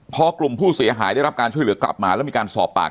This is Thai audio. พอกลุ่มผู้เสียหายได้รับการช่วยเหลือกลับมาแล้วมีการสอบปาก